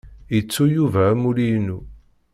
Ittu Yuba amulli-inu.